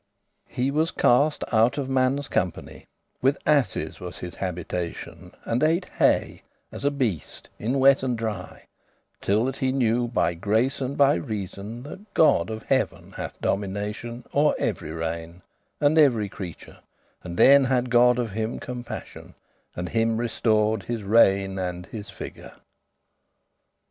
"He was cast out of manne's company; With asses was his habitation And ate hay, as a beast, in wet and dry, Till that he knew by grace and by reason That God of heaven hath domination O'er every regne, and every creature; And then had God of him compassion, And him restor'd his regne and his figure.